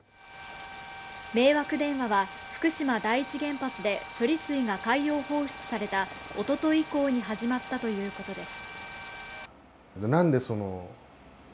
迷惑電話は福島第一原発で処理水が海洋放出されたおととい以降に始まったということです。